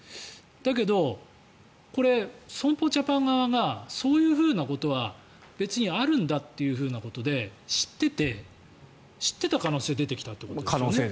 だけど、これ、損保ジャパン側がそういうふうなことは別にあるんだということで知っていて知っていた可能性が出てきたということですよね。